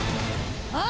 あ！？